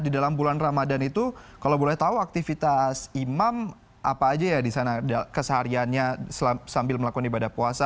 di dalam bulan ramadan itu kalau boleh tahu aktivitas imam apa aja ya di sana kesehariannya sambil melakukan ibadah puasa